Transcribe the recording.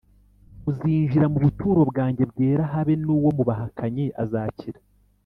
uuzinjira mu buturo bwanjye bwera habe n’uwo mu bahakanyi azakira